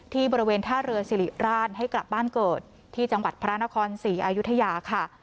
ที่บริเวณท่าเรือสิริราชให้กลับบ้านเกิดที่จังหวัดพระนครศรีอายุทยาค่ะ